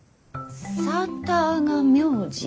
「さーたー」が名字？